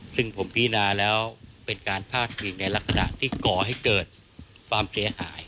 ซึ่งผมพินาแล้วเป็นการพาดพิงในลักษณะที่ก่อให้เกิดความเสียหาย